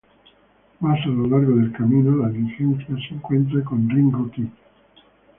Más a lo largo del camino, la diligencia se encuentra con Ringo Kid.